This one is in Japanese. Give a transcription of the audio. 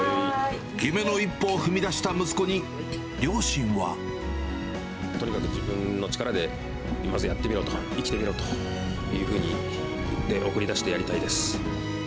夢の一歩を踏み出した息子に、とにかく自分の力で、まずやってみろと、生きてみろというふうに言って、送り出してやりたいです。